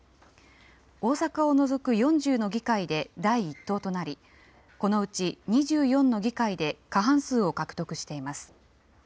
大阪を除く４０の議会で第１党となり、このうち２４の議会で過半数を獲得しています。